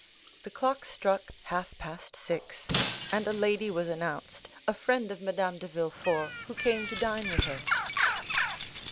The clock struck half past six, and a lady was announced, a friend of Madame de Villefort, who came to dine with her.